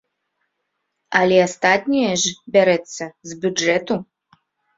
Але астатняе ж бярэцца з бюджэту!